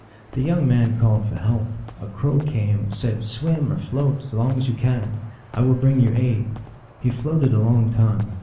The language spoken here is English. The young man called for help. A Crow came, and said, " Swim or float as long as you can. I will bring you aid." He floated a long time.